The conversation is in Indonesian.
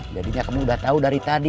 jadinya kamu udah tau dari tadi